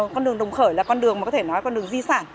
con đường đồng khởi là con đường mà có thể nói con đường di sản